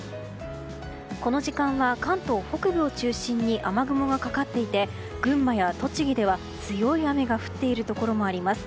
この時間は関東北部を中心に雨雲がかかっていて群馬や栃木では強い雨が降っているところもあります。